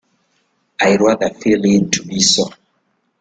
I rather feel it to be so.